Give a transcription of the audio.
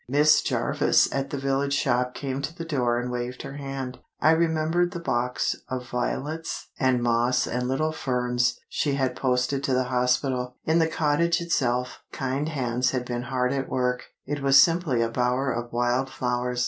Miss Jarvis at the village shop came to the door and waved her hand—I remembered the box of violets and moss and little ferns she had posted to the hospital. In the cottage itself kind hands had been hard at work; it was simply a bower of wild flowers.